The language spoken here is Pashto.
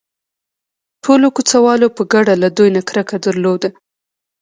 ټولو کوڅه والو په ګډه له دوی نه کرکه درلوده.